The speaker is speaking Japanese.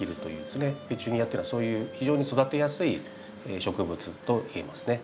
ペチュニアっていうのはそういう非常に育てやすい植物といえますね。